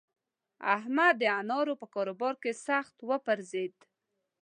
احمد د انارو په کاروبار کې سخت وپرځېد.